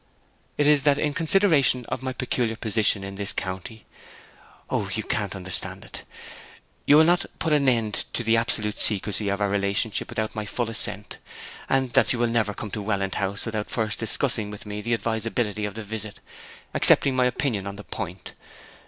'It is that, in consideration of my peculiar position in this county, O, you can't understand it! you will not put an end to the absolute secrecy of our relationship without my full assent. Also, that you will never come to Welland House without first discussing with me the advisability of the visit, accepting my opinion on the point.